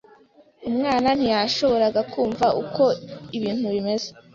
Umwana ntiyashoboraga kumva uko ibintu bimeze.